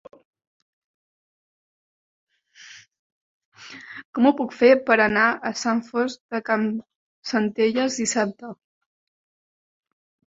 Com ho puc fer per anar a Sant Fost de Campsentelles dissabte?